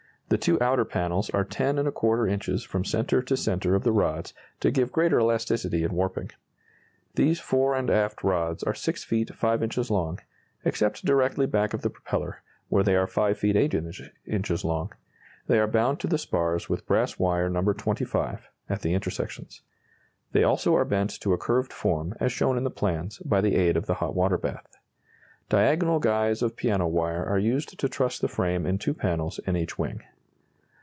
The two outer panels are 10¼ inches from centre to centre of the rods, to give greater elasticity in warping. These fore and aft rods are 6 feet 5 inches long, except directly back of the propeller, where they are 5 feet 8 inches long; they are bound to the spars with brass wire No. 25, at the intersections. They also are bent to a curved form, as shown in the plans, by the aid of the hot water bath. Diagonal guys of piano wire are used to truss the frame in two panels in each wing.